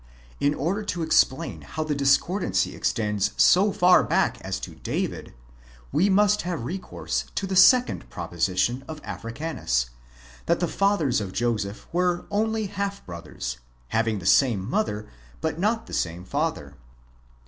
In order to explain how the discordancy extends so far back as to David, we must have recourse to the second proposition of Africanus, that the fathers of Joseph were only half brothers, having the same mother, but not the same father.